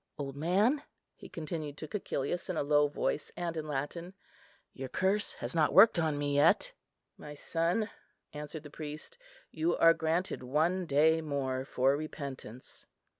"Old man," he continued to Cæcilius in a low voice, and in Latin, "your curse has not worked on me yet." "My son," answered the priest, "you are granted one day more for repentance."